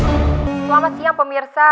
selamat siang pemirsa